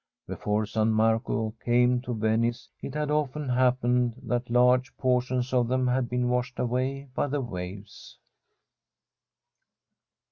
Before San Marco came to Venice it had often happened that large portions of them had been washed away by the waves.